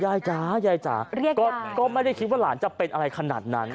จ๋ายายจ๋าก็ไม่ได้คิดว่าหลานจะเป็นอะไรขนาดนั้น